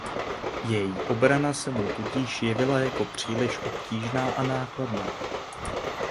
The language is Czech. Její obrana se mu tudíž jevila jako příliš obtížná a nákladná.